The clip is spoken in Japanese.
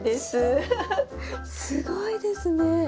すごいですね。